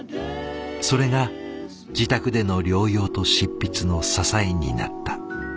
それが自宅での療養と執筆の支えになった。